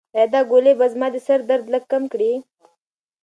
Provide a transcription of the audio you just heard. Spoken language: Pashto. ایا دا ګولۍ به زما د سر درد لږ کم کړي؟